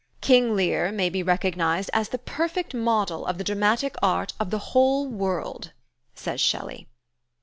"'King Lear' may be recognized as the perfect model of the dramatic art of the whole world," says Shelley.